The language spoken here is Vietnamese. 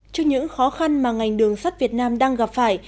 trước những khó khăn mà ngành đường sắt việt nam đang gặp phải